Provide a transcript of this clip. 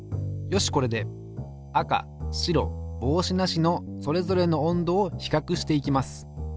よしこれで赤白帽子なしのそれぞれの温度をひかくしていきます。